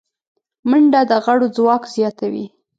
منډه د غړو ځواک زیاتوي